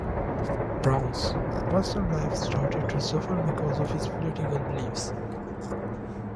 Brown's personal life started to suffer because of his political beliefs.